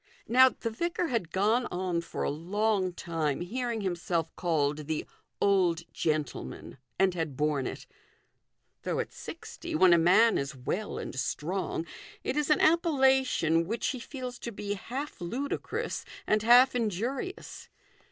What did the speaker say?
Now, the vicar had gone on for a long time hearing himself called the " old gentleman," and had borne it ; though at sixty, when a man is well and strong, it is an appellation which he feels to be half ludicrous and half injurious.